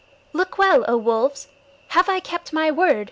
"Look well, O Wolves. Have I kept my word?"